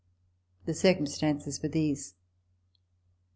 The circumstances were these.